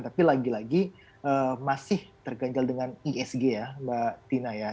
tapi lagi lagi masih terganjal dengan isg ya mbak tina ya